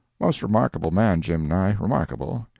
Most remarkable man, Jim Nye—remarkable.